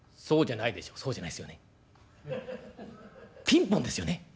「そうじゃないっすよね。